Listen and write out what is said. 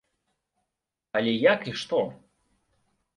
Але як і што?